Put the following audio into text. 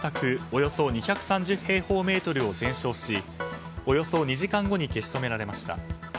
およそ２３０平方メートルを全焼しおよそ２時間後に消し止められました。